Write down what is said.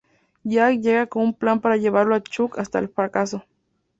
Jack llega con un plan para llevarlo a Chuck hasta al fracaso.